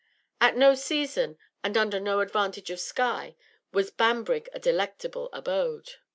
At no season, and under no advantage of sky, was Banbrigg a delectable abode.